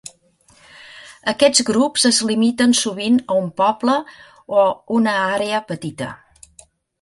Aquests grups es limiten sovint a un poble o una àrea petita.